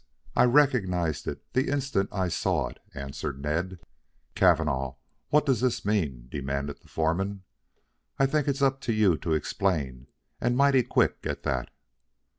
I recognized it the instant I saw it," answered Ned. "Cavanagh, what does this mean?" demanded the foreman. "I think it's up to you to explain and mighty quick at that."